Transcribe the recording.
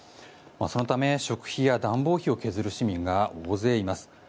そのため、食費や暖房費を削る市民が大勢います。